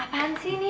apaan sih ini